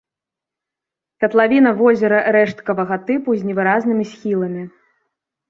Катлавіна возера рэшткавага тыпу з невыразнымі схіламі.